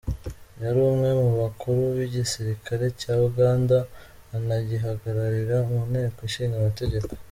Yari umwe mu bakuru b’igisirikare cya Uganda anagihagararira mu Nteko Ishinga Amategeko.